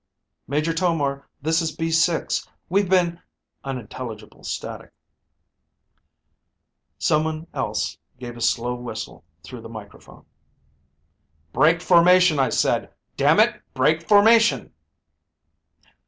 "Major Tomar. This is B 6. We've been " (Unintelligible static.) Someone else gave a slow whistle through the microphone. "Break formation, I said. Damn it, break formation."